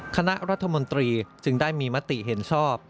คณะรัฐมนตรีจึงได้มีมติเห็นชอบ